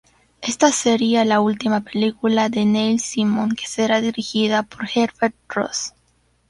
Esta sería la última película de Neil Simon que será dirigida por Herbert Ross.